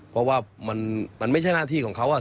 เพราะว่ามันไม่ใช่หน้าที่ของเขา